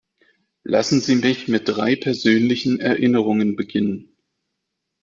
Lassen Sie mich mit drei persönlichen Erinnerungen beginnen.